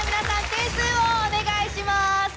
点数をお願いします。